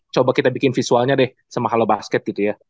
coba kita bikin visualnya deh sama halo basket gitu ya